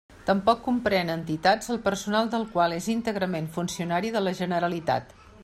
Tampoc comprén a entitats el personal del qual és íntegrament funcionari de la Generalitat.